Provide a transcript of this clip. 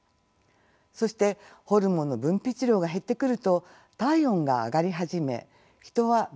そしてホルモンの分泌量が減ってくると体温が上がり始め人は目覚めてきます。